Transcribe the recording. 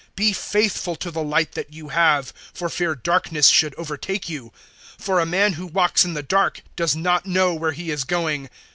Be faithful to the light that you have, for fear darkness should overtake you; for a man who walks in the dark does not know where he is going.